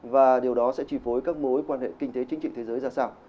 và điều đó sẽ chi phối các mối quan hệ kinh tế chính trị thế giới ra sao